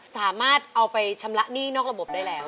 สามารถเอาไปชำระหนี้นอกระบบได้แล้ว